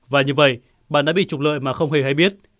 và như vậy bạn đã bị trục lợi mà không hề hay biết